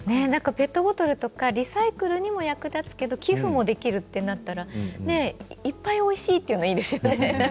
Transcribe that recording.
ペットボトルとかリサイクルにも役立つけど寄付もできるとなったらいっぱいおいしいというのがいいですよね。